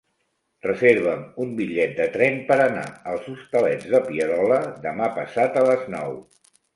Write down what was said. Reserva'm un bitllet de tren per anar als Hostalets de Pierola demà passat a les nou.